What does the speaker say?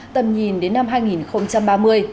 tầm nhìn đến năm hai nghìn ba mươi